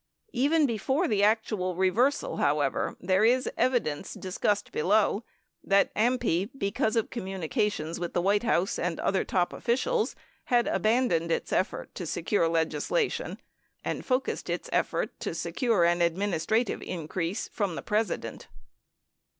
Even before the actual reversal, however, there is evidence, discussed below, that AMPI, be cause of communications with the White House and other top officials, had abandoned its effort to secure legislation and focused on its effort to secure an administrative increase — from the President.